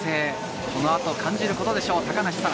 この後感じることでしょう、高梨沙羅。